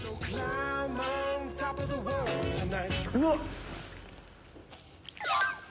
うわっ！